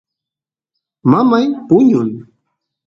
mamay puñun